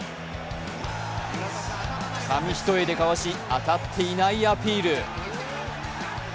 紙一重でかわし、当たっていないアピール。